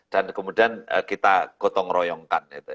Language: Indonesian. dan kemudian kita gotong royongkan